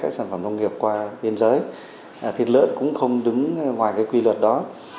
các sản phẩm nông nghiệp qua biên giới thịt lợn cũng không đứng ngoài quy luật đó